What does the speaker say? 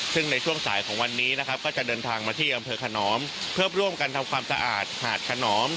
ซึ่งในช่วงสายของวันนี้นะครับก็จะเดินทางมาที่อำเภอขนอมเพื่อร่วมกันทำความสะอาดหาดขนอม